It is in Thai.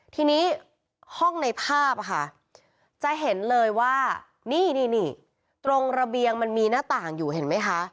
ทีนี้ห้องในภาพค่ะจะเห็นเลยว่านี่นี่ตรงระเบียงมันมีหน้าต่างอยู่เห็นไหมคะ